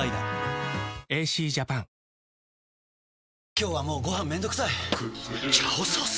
今日はもうご飯めんどくさい「炒ソース」！？